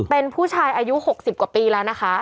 เป็นผู้ชายอายุ๖๐กว่าปีแล้วนะคะ